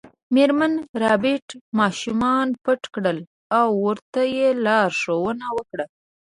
میرمن ربیټ ماشومان پټ کړل او ورته یې لارښوونه وکړه